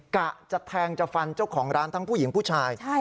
กะจะแทงจะฟันเจ้าของร้านทั้งผู้หญิงผู้ชาย